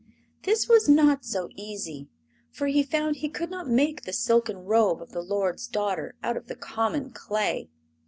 This was not so easy, for he found he could not make the silken robe of the lord's daughter out of the common clay.